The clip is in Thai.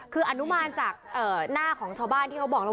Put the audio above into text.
คืออนุมานจากหน้าของชาวบ้านที่เขาบอกแล้ว